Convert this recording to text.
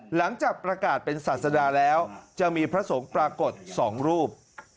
หลังจากประกาศเป็นศาสดาแล้วจะมีพระสงฆ์ปรากฏ๒รูป